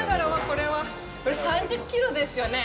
これ３０キロですよね？